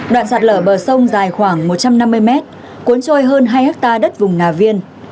đoạn sạt lở bờ sông dài khoảng một trăm năm mươi mét cuốn trôi hơn hai hectare đất vùng nà viên